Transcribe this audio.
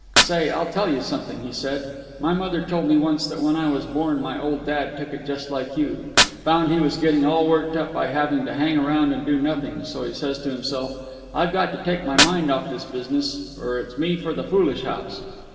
"Say, I'll tell you something," he said. "My mother told me once that when I was born my old dad took it just like you. Found he was getting all worked up by having to hang around and do nothing, so he says to himself: 'I've got to take my mind off this business, or it's me for the foolish house.